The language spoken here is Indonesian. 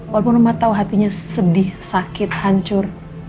walaupun rumah tahu hatinya sedih sakit hancur